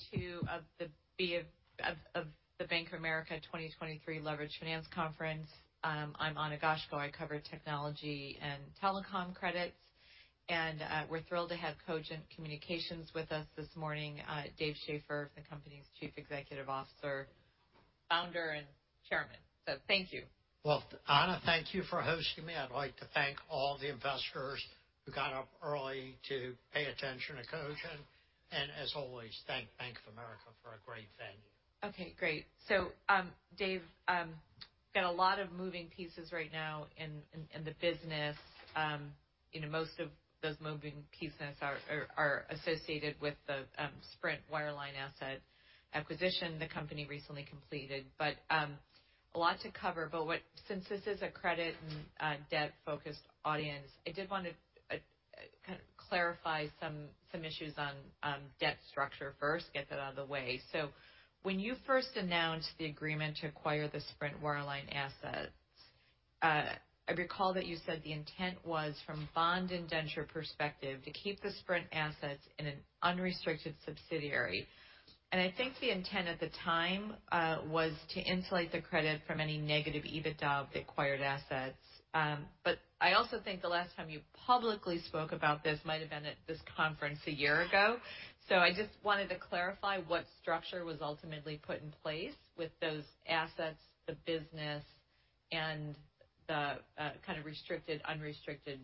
Welcome to Day 2 of the BofA 2023 Leverage Finance Conference. I'm Ana Goshko. I cover technology and telecom credits, and we're thrilled to have Cogent Communications with us this morning. Dave Schaeffer, the company's Chief Executive Officer, founder, and chairman. So thank you. Well, Ana, thank you for hosting me. I'd like to thank all the investors who got up early to pay attention to Cogent, and as always, thank Bank of America for a great venue. Okay, great. So, Dave, got a lot of moving pieces right now in the business. You know, most of those moving pieces are associated with the Sprint Wireline asset acquisition the company recently completed. But a lot to cover, but since this is a credit and debt-focused audience, I did want to kind of clarify some issues on debt structure first, get that out of the way. So when you first announced the agreement to acquire the Sprint Wireline assets, I recall that you said the intent was, from bond indenture perspective, to keep the Sprint assets in an unrestricted subsidiary. And I think the intent at the time was to insulate the credit from any negative EBITDA of the acquired assets. But I also think the last time you publicly spoke about this might have been at this conference a year ago. So I just wanted to clarify what structure was ultimately put in place with those assets, the business, and the kind of restricted, unrestricted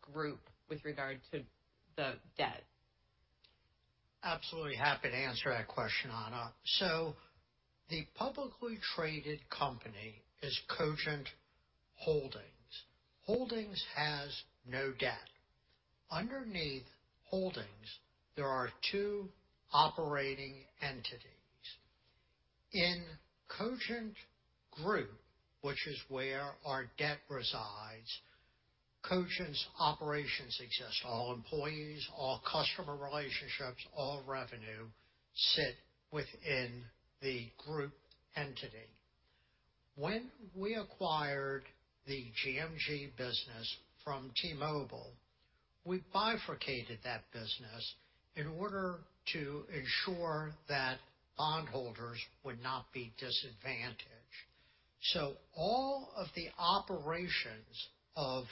group with regard to the debt. Absolutely happy to answer that question, Ana. The publicly traded company is Cogent Holdings. Holdings has no debt. Underneath Holdings, there are two operating entities. In Cogent Group, which is where our debt resides, Cogent's operation success, all employees, all customer relationships, all revenue, sit within the Group entity. When we acquired the GMG business from T-Mobile, we bifurcated that business in order to ensure that bondholders would not be disadvantaged. All of the operations of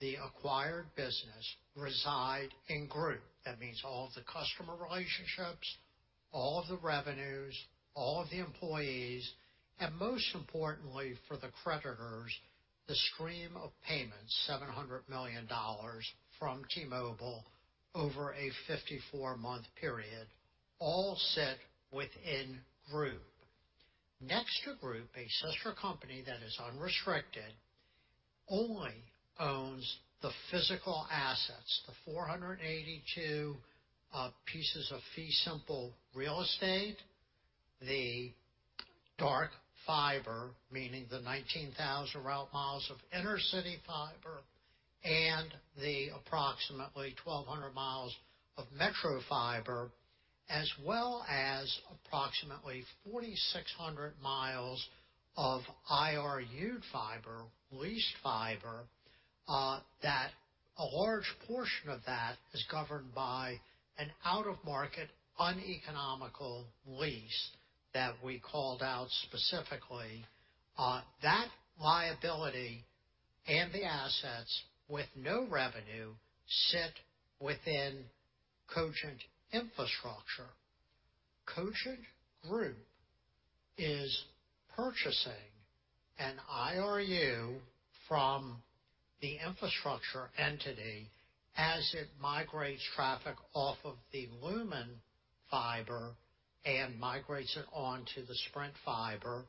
the acquired business reside in Group. That means all of the customer relationships, all of the revenues, all of the employees, and most importantly, for the creditors, the stream of payments, $700 million from T-Mobile over a 54-month period, all sit within Group. Cogent Group, a sister company that is unrestricted, only owns the physical assets, the 482, uh, pieces of fee simple real estate, the dark fiber, meaning the 19,000 route miles of intercity fiber, and the approximately 1,200 miles of metro fiber, as well as approximately 4,600 miles of IRU fiber, leased fiber, uh, that a large portion of that is governed by an out-of-market, uneconomical lease that we called out specifically. Uh, that liability and the assets with no revenue sit within Cogent Infrastructure. Cogent Group is purchasing an IRU from the infrastructure entity as it migrates traffic off of the Lumen fiber and migrates it onto the Sprint fiber,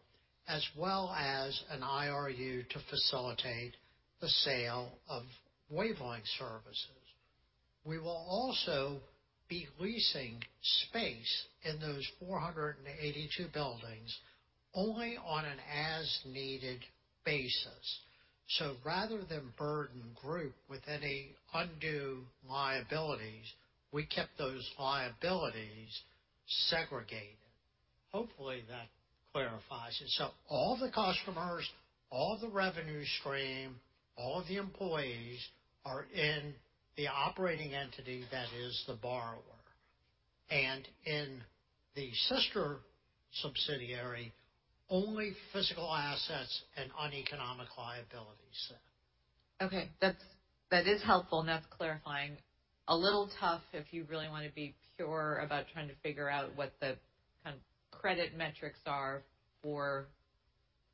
as well as an IRU to facilitate the sale of wavelength services. We will also be leasing space in those 482 buildings only on an as-needed basis. Rather than burden Group with any undue liabilities, we kept those liabilities segregated. Hopefully, that clarifies it. So all the customers, all the revenue stream, all the employees are in the operating entity that is the borrower, and in the sister subsidiary, only physical assets and uneconomic liabilities sit. Okay. That's... That is helpful, and that's clarifying. A little tough if you really want to be pure about trying to figure out what the, kind of, credit metrics are for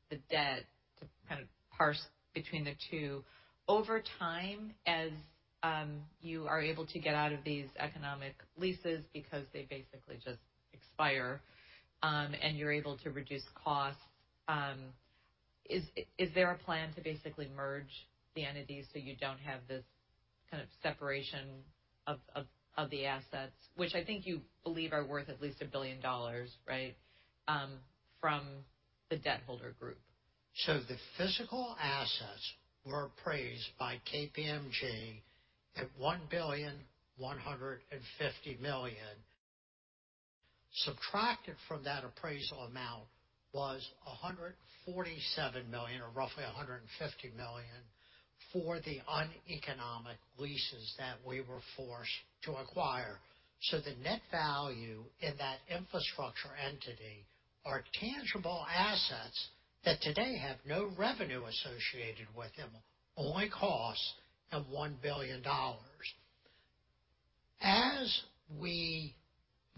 the debt to kind of parse between the two. Over time, as you are able to get out of these economic leases because they basically just expire, and you're able to reduce costs, is there a plan to basically merge the entities so you don't have this kind of separation of the assets, which I think you believe are worth at least $1 billion, right? From the debt holder group. So the physical assets were appraised by KPMG at $1.15 billion. Subtracted from that appraisal amount was $147 million, or roughly $150 million, for the uneconomic leases that we were forced to acquire. So the net value in that infrastructure entity are tangible assets that today have no revenue associated with them, only costs of $1 billion. As we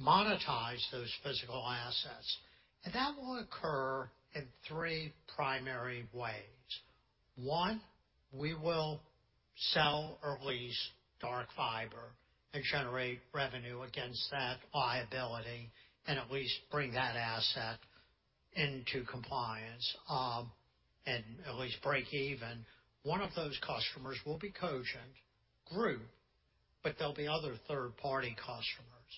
monetize those physical assets, and that will occur in 3 primary ways. 1, we will sell or lease dark fiber and generate revenue against that liability and at least bring that asset into compliance, and at least break even. 1 of those customers will be Cogent Group, but there'll be other third-party customers.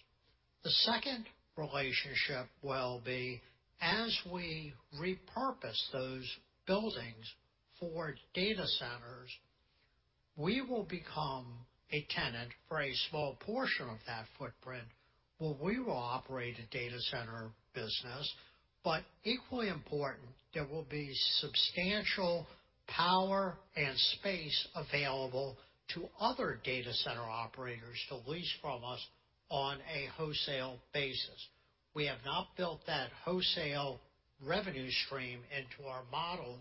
The second relationship will be, as we repurpose those buildings for data centers, we will become a tenant for a small portion of that footprint, where we will operate a data center business, but equally important, there will be substantial power and space available to other data center operators to lease from us on a wholesale basis. We have not built that wholesale revenue stream into our models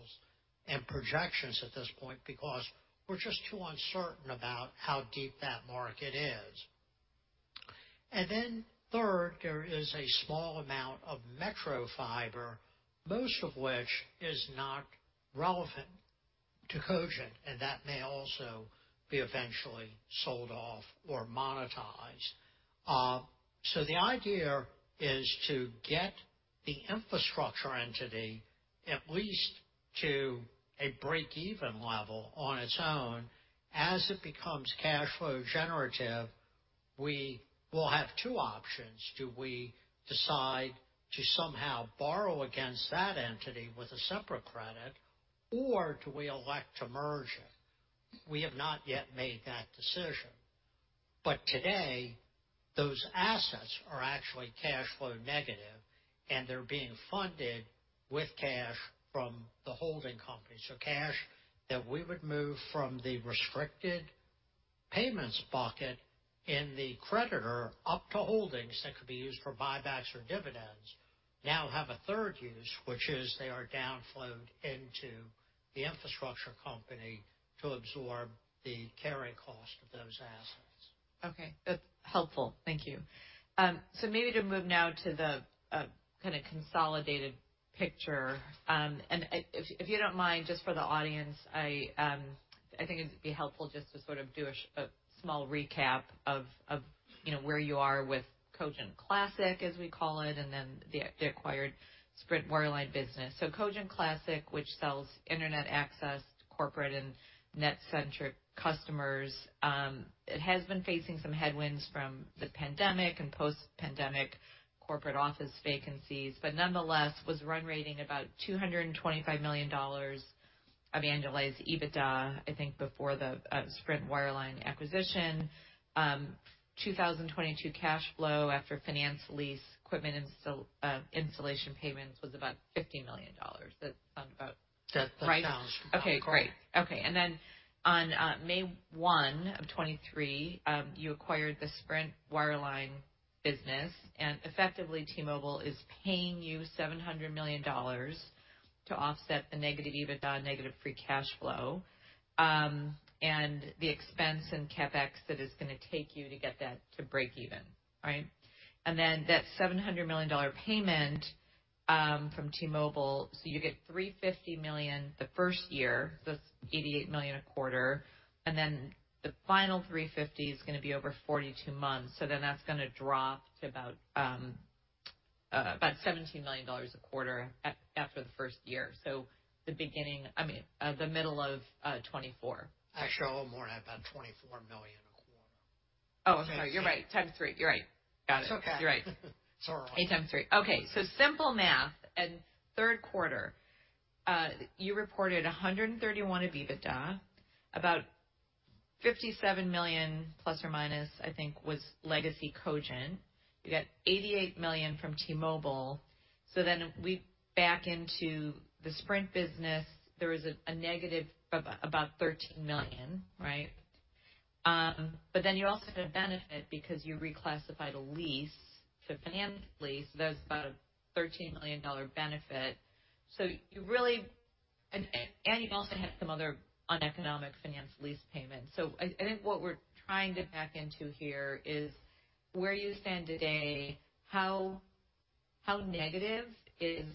and projections at this point, because we're just too uncertain about how deep that market is. And then third, there is a small amount of metro fiber, most of which is not relevant to Cogent, and that may also be eventually sold off or monetized. So the idea is to get the infrastructure entity at least to a break-even level on its own. As it becomes cash flow generative, we will have two options. Do we decide to somehow borrow against that entity with a separate credit, or do we elect to merge it? We have not yet made that decision, but today, those assets are actually cash flow negative, and they're being funded with cash from the holding company. So cash that we would move from the restricted payments bucket in the covenant up to holdings that could be used for buybacks or dividends, now have a third use, which is they are down flowed into the infrastructure company to absorb the carrying cost of those assets. Okay. Helpful. Thank you. So maybe to move now to the kind of consolidated picture. And if you don't mind, just for the audience, I think it'd be helpful just to sort of do a small recap of you know, where you are with Cogent Classic, as we call it, and then the acquired Sprint Wireline business. So Cogent Classic, which sells internet access to corporate and NetCentric customers, it has been facing some headwinds from the pandemic and post-pandemic corporate office vacancies, but nonetheless, was run rating about $225 million of annualized EBITDA, I think, before the Sprint Wireline acquisition. 2022 cash flow after finance lease, equipment installation payments was about $50 million. That sound about right? That sounds correct. Okay, great. Okay, and then on May 1, 2023, you acquired the Sprint Wireline business, and effectively, T-Mobile is paying you $700 million to offset the negative EBITDA, negative free cash flow, and the expense in CapEx that it's gonna take you to get that to break even, right? And then that $700 million dollar payment from T-Mobile, so you get $350 million the first year, so it's $88 million a quarter, and then the final $350 is gonna be over 42 months. So then that's gonna drop to about about $17 million a quarter after the first year. So the beginning—I mean, the middle of 2024. Actually, a little more, about $24 million a quarter. Oh, sorry. You're right. Times three. You're right. Got it. It's okay. You're right. It's all right. 8 times 3. Okay, so simple math. In third quarter, you reported 131 of EBITDA, about $57 million, plus or minus, I think was legacy Cogent. You got $88 million from T-Mobile. So then we back into the Sprint business, there was a negative of about $13 million, right? But then you also had a benefit because you reclassified a lease to a finance lease. That was about a $13 million benefit. So you really, and you also had some other uneconomic finance lease payments. So I think what we're trying to back into here is where you stand today, how negative is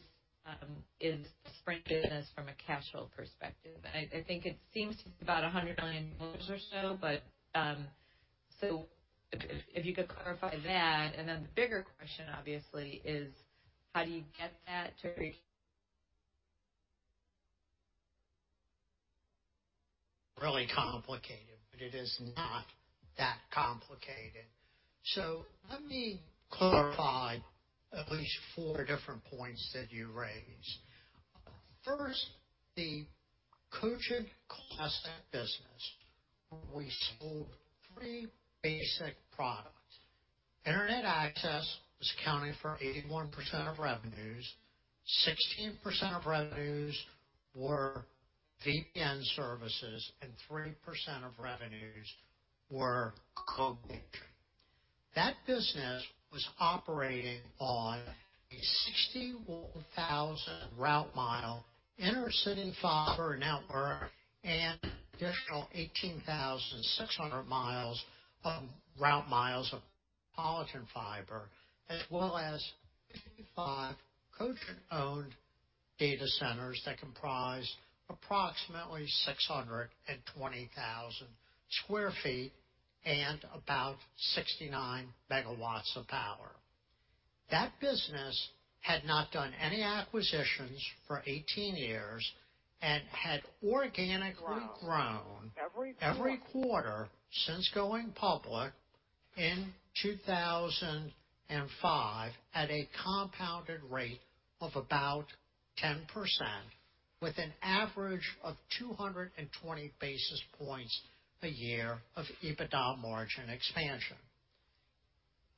Sprint business from a cash flow perspective? And I think it seems to be about $100 million or so. But, so if you could clarify that, and then the bigger question, obviously, is: How do you get that to recover? Really complicated, but it is not that complicated. So let me clarify at least four different points that you raised.... First, the Cogent Classic business, we sold three basic products. Internet access was accounting for 81% of revenues, 16% of revenues were VPN services, and 3% of revenues were co-location. That business was operating on a 61,000 route mile intercity fiber network and an additional 18,600 miles of route miles of metropolitan fiber, as well as 55 Cogent-owned data centers that comprise approximately 620,000 sq. ft. and about 69 megawatts of power. That business had not done any acquisitions for 18 years and had organically grown every quarter since going public in 2005, at a compounded rate of about 10%, with an average of 220 basis points a year of EBITDA margin expansion.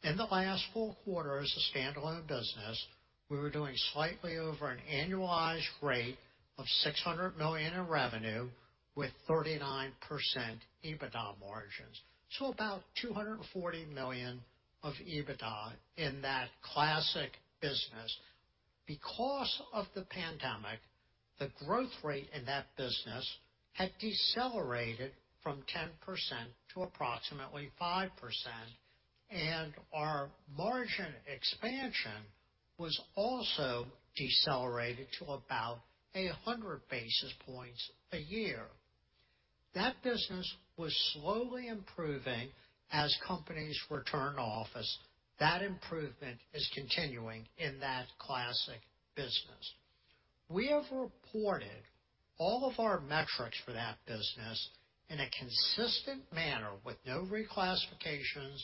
In the last four quarters of standalone business, we were doing slightly over an annualized rate of $600 million in revenue with 39% EBITDA margins, so about $240 million of EBITDA in that classic business. Because of the pandemic, the growth rate in that business had decelerated from 10% to approximately 5%, and our margin expansion was also decelerated to about 100 basis points a year. That business was slowly improving as companies return to office. That improvement is continuing in that classic business. We have reported all of our metrics for that business in a consistent manner, with no reclassifications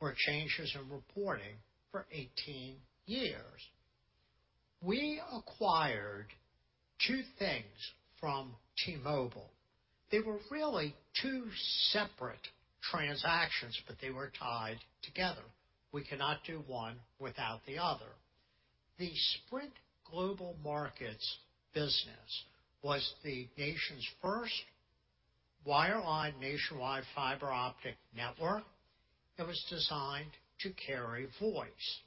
or changes in reporting for 18 years. We acquired two things from T-Mobile. They were really two separate transactions, but they were tied together. We cannot do one without the other. The Sprint Global Markets business was the nation's first wireline nationwide fiber optic network that was designed to carry voice.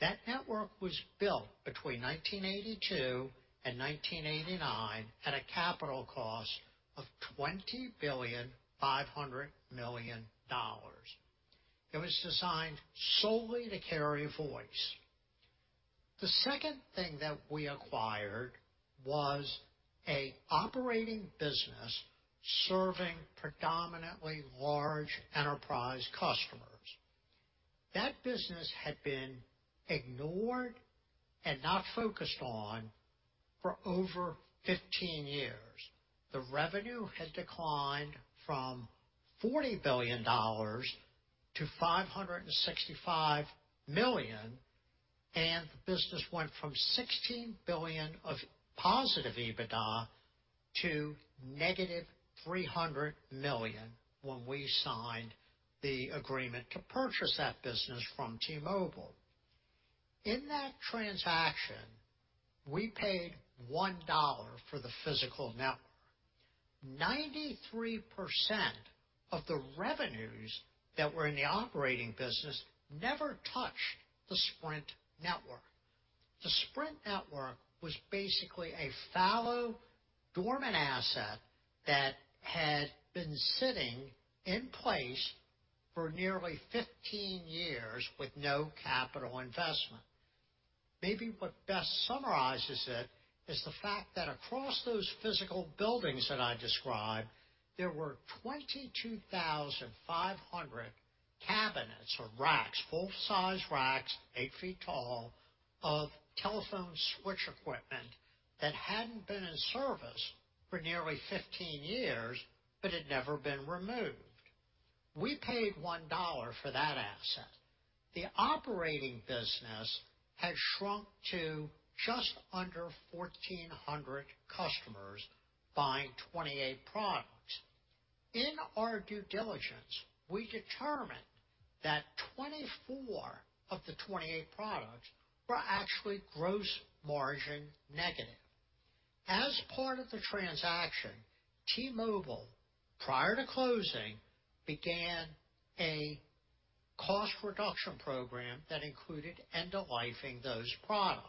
That network was built between 1982 and 1989, at a capital cost of $20.5 billion. It was designed solely to carry voice. The second thing that we acquired was a operating business serving predominantly large enterprise customers. That business had been ignored and not focused on for over 15 years. The revenue had declined from $40 billion to $565 million, and the business went from $16 billion of positive EBITDA to -$300 million when we signed the agreement to purchase that business from T-Mobile. In that transaction, we paid $1 for the physical network. 93% of the revenues that were in the operating business never touched the Sprint Network. The Sprint Network was basically a fallow, dormant asset that had been sitting in place for nearly 15 years with no capital investment. Maybe what best summarizes it is the fact that across those physical buildings that I described, there were 22,500 cabinets or racks, full-size racks, 8 feet tall, of telephone switch equipment that hadn't been in service for nearly 15 years, but had never been removed. We paid $1 for that asset. The operating business had shrunk to just under 1,400 customers buying 28 products. In our due diligence, we determined that 24 of the 28 products were actually gross margin negative. As part of the transaction, T-Mobile, prior to closing, began a cost reduction program that included end-of-life-ing those products.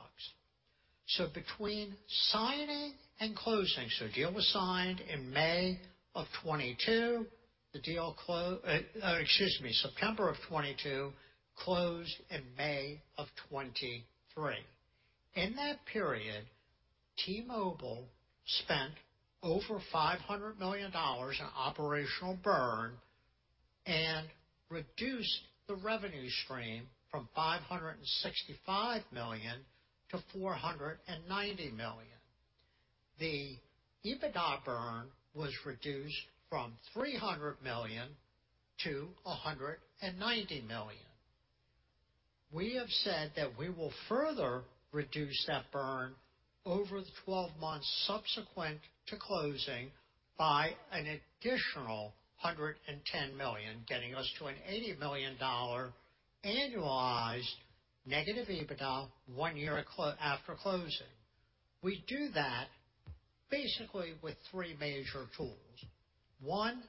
So between signing and closing, the deal was signed in May 2022. The deal closed, September 2022, closed in May 2023. In that period, T-Mobile spent over $500 million in operational burn and reduced the revenue stream from $565 million to $490 million. The EBITDA burn was reduced from $300 million to $190 million. We have said that we will further reduce that burn over the 12 months subsequent to closing by an additional $110 million, getting us to an $80 million annualized negative EBITDA one year after closing. We do that basically with three major tools. One,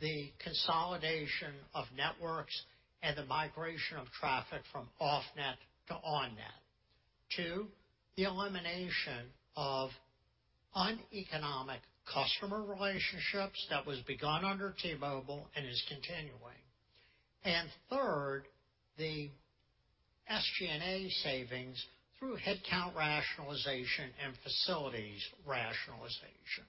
the consolidation of networks and the migration of traffic from off-net to on-net. Two, the elimination of uneconomic customer relationships that was begun under T-Mobile and is continuing. And third, the SG&A savings through headcount rationalization and facilities rationalization.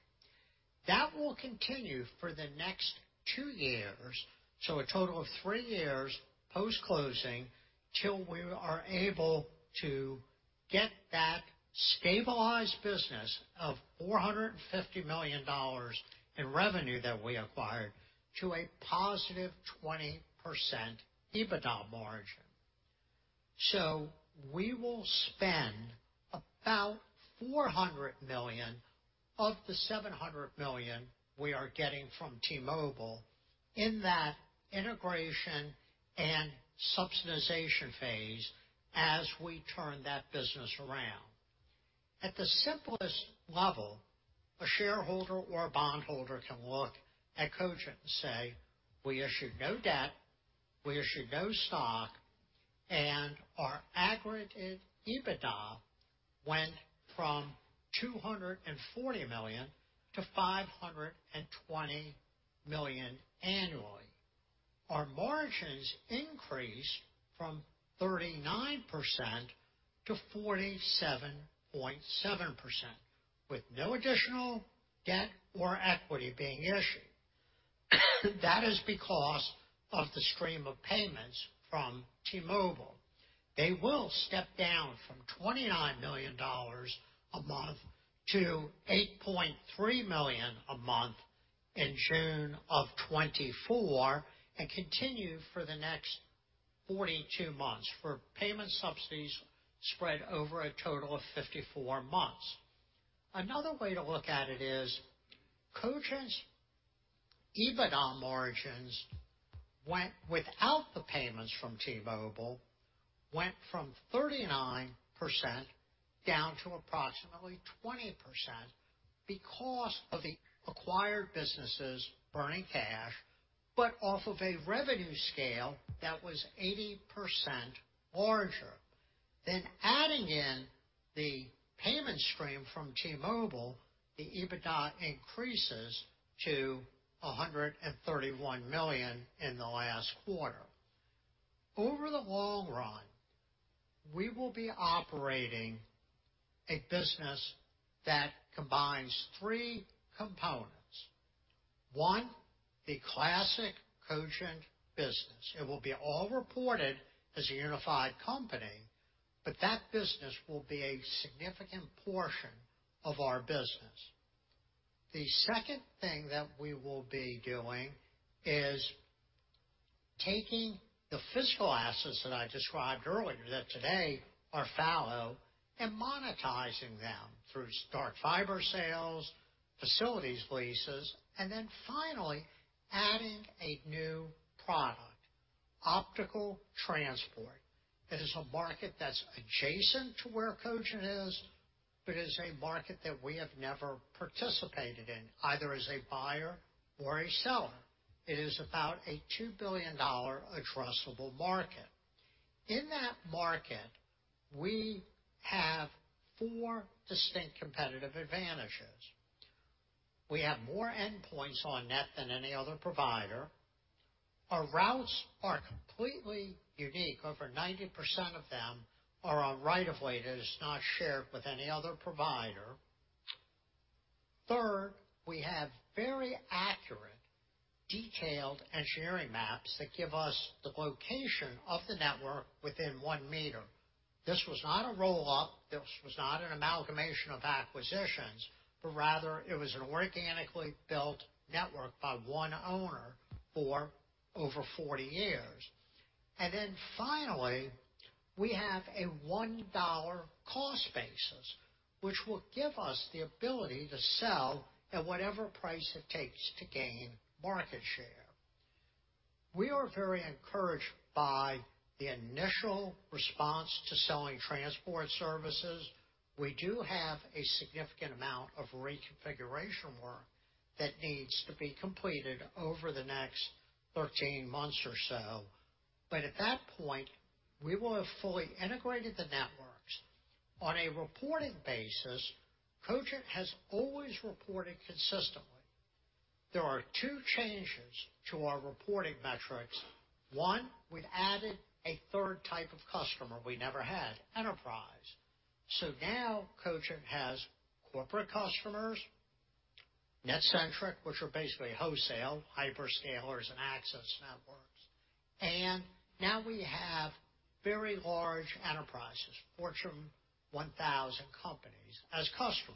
That will continue for the next two years, so a total of three years post-closing, till we are able to get that stabilized business of $450 million in revenue that we acquired, to a positive 20% EBITDA margin. So we will spend about $400 million of the $700 million we are getting from T-Mobile in that integration and subsidization phase as we turn that business around. At the simplest level, a shareholder or a bondholder can look at Cogent and say, "We issued no debt, we issued no stock, and our aggregated EBITDA went from $240 million-$520 million annually. Our margins increased from 39%-47.7%, with no additional debt or equity being issued." That is because of the stream of payments from T-Mobile. They will step down from $29 million a month to $8.3 million a month in June of 2024, and continue for the next 42 months, for payment subsidies spread over a total of 54 months. Another way to look at it is, Cogent's EBITDA margins went, without the payments from T-Mobile, went from 39% down to approximately 20% because of the acquired businesses burning cash, but off of a revenue scale that was 80% larger. Then adding in the payment stream from T-Mobile, the EBITDA increases to $131 million in the last quarter. Over the long run, we will be operating a business that combines three components. One, the classic Cogent business. It will be all reported as a unified company, but that business will be a significant portion of our business. The second thing that we will be doing is taking the physical assets that I described earlier, that today are fallow, and monetizing them through dark fiber sales, facilities leases, and then finally, adding a new product, optical transport. It is a market that's adjacent to where Cogent is, but is a market that we have never participated in, either as a buyer or a seller. It is about a $2 billion addressable market. In that market, we have four distinct competitive advantages. We have more endpoints on-net than any other provider. Our routes are completely unique. Over 90% of them are on right-of-way, that is not shared with any other provider. Third, we have very accurate, detailed engineering maps that give us the location of the network within one meter. This was not a roll-up, this was not an amalgamation of acquisitions, but rather it was an organically built network by one owner for over 40 years. Then finally, we have a $1 cost basis, which will give us the ability to sell at whatever price it takes to gain market share. We are very encouraged by the initial response to selling transport services. We do have a significant amount of reconfiguration work that needs to be completed over the next 13 months or so, but at that point, we will have fully integrated the networks. On a reporting basis, Cogent has always reported consistently. There are two changes to our reporting metrics. One, we've added a third type of customer we never had, enterprise. So now Cogent has corporate customers, NetCentric, which are basically wholesale, hyperscalers and access networks, and now we have very large enterprises, Fortune 1000 companies, as customers.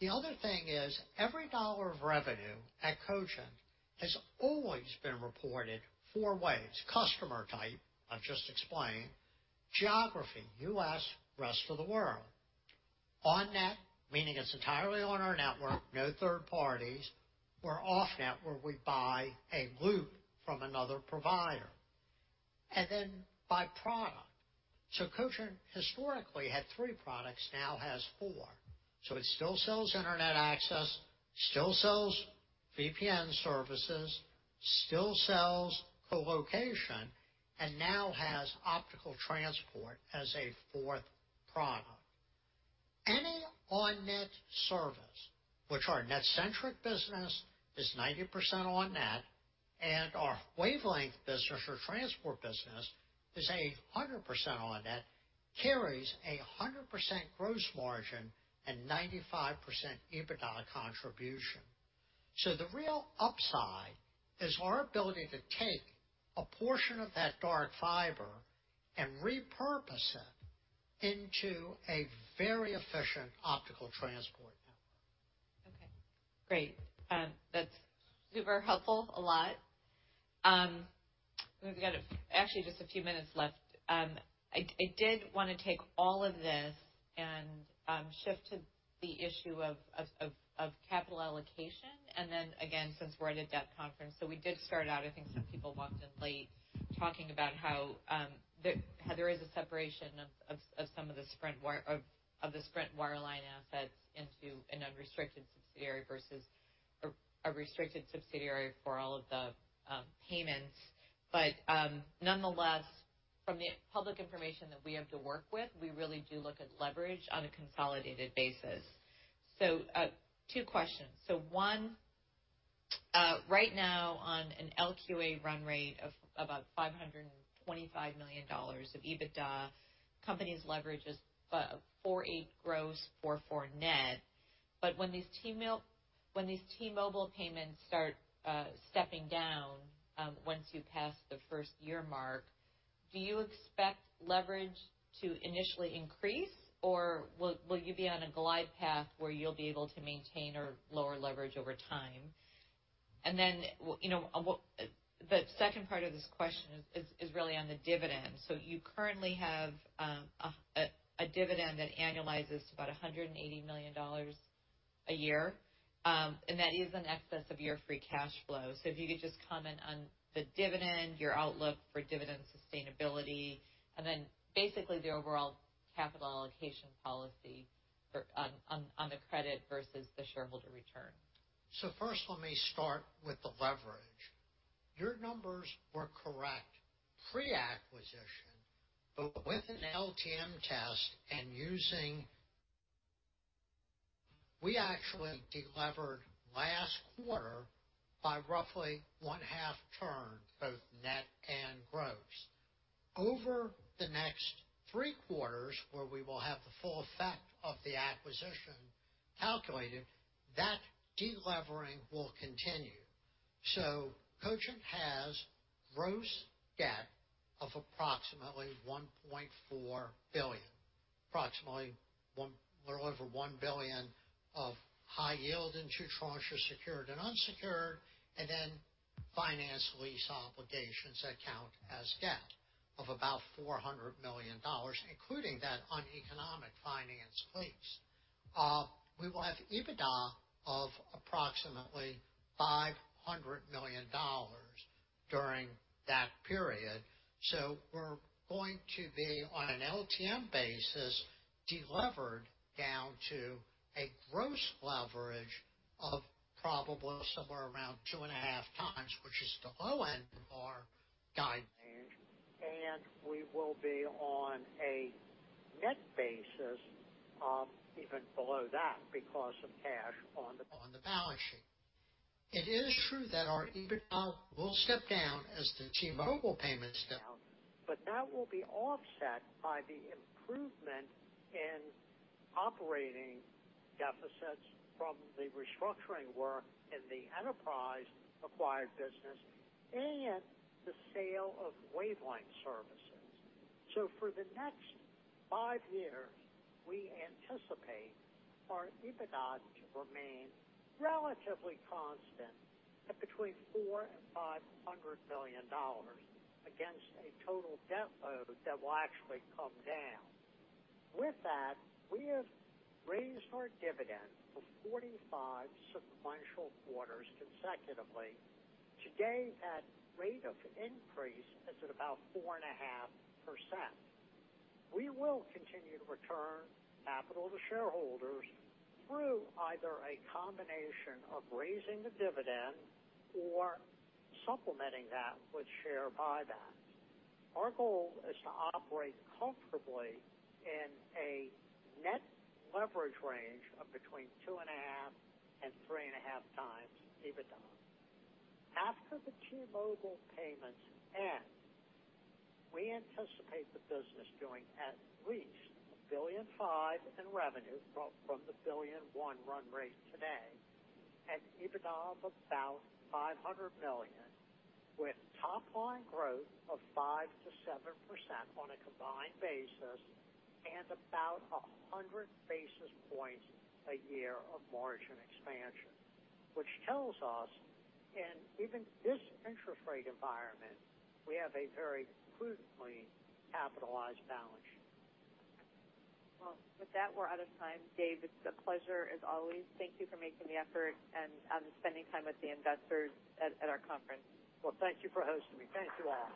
The other thing is, every dollar of revenue at Cogent has always been reported four ways: customer type, I've just explained. Geography, U.S., rest of the world. On-net, meaning it's entirely on our network, no third parties, or off-net, where we buy a loop from another provider, and then by product. So Cogent historically had three products, now has four. So it still sells internet access, still sells VPN services, still sells co-location, and now has optical transport as a fourth product. Any on-net service, which our NetCentric business is 90% on-net, and our wavelength business or transport business is 100% on-net, carries 100% gross margin and 95% EBITDA contribution. The real upside is our ability to take a portion of that dark fiber and repurpose it into a very efficient optical transport network. Okay, great. That's super helpful, a lot. We've got, actually, just a few minutes left. I did wanna take all of this and shift to the issue of capital allocation, and then again, since we're at a debt conference. So we did start out, I think some people walked in late, talking about how there is a separation of some of the Sprint Wireline Assets into an unrestricted subsidiary versus a restricted subsidiary for all of the payments. But, nonetheless, from the public information that we have to work with, we really do look at leverage on a consolidated basis. So, two questions. So one, right now, on an LQA run rate of about $525 million of EBITDA, company's leverage is 4.8 gross, 4.4 net. But when these T-Mobile payments start stepping down, once you pass the first year mark, do you expect leverage to initially increase, or will you be on a glide path where you'll be able to maintain or lower leverage over time? And then, you know, what the second part of this question is really on the dividend. So you currently have a dividend that annualizes to about $180 million a year, and that is in excess of your free cash flow. So if you could just comment on the dividend, your outlook for dividend sustainability, and then basically, the overall capital allocation policy for the credit versus the shareholder return? So first, let me start with the leverage. Your numbers were correct, pre-acquisition, but with an LTM test and using. We actually delevered last quarter by roughly one-half turn, both net and gross. Over the next three quarters, where we will have the full effect of the acquisition calculated, that delevering will continue. So Cogent has gross debt of approximately $1.4 billion, approximately a little over $1 billion of high yield in two tranches, secured and unsecured, and then finance lease obligations that count as debt of about $400 million, including that uneconomic finance lease. We will have EBITDA of approximately $500 million during that period. So we're going to be, on an LTM basis, delevered down to a gross leverage of probably somewhere around 2.5 times, which is the low end of our guide range, and we will be on a net basis of even below that because of cash on the balance sheet. It is true that our EBITDA will step down as the T-Mobile payments step down, but that will be offset by the improvement in operating deficits from the restructuring work in the enterprise acquired business and the sale of wavelength services. So for the next five years, we anticipate our EBITDA to remain relatively constant at between $400 million and $500 million, against a total debt load that will actually come down. With that, we have raised our dividend for 45 sequential quarters consecutively. Today, that rate of increase is at about 4.5%. We will continue to return capital to shareholders through either a combination of raising the dividend or supplementing that with share buybacks. Our goal is to operate comfortably in a net leverage range of between 2.5x and 3.5x EBITDA. After the T-Mobile payments end, we anticipate the business doing at least $1.5 billion in revenue, from the $1.1 billion run rate today, and EBITDA of about $500 million, with top line growth of 5%-7% on a combined basis, and about 100 basis points a year of margin expansion. Which tells us, in even this interest rate environment, we have a very prudently capitalized balance sheet. Well, with that, we're out of time. Dave, it's a pleasure, as always. Thank you for making the effort and spending time with the investors at our conference. Well, thank you for hosting me. Thank you to all.